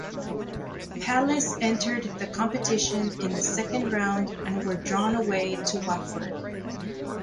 Palace entered the competition in the second round and were drawn away to Watford.